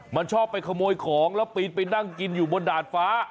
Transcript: มันชอบไปขโมยของแล้วปีนไปนั่งกินอยู่บนดาดฟ้า